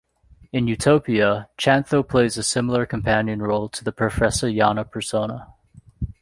In "Utopia", Chantho plays a similar companion role to the Professor Yana persona.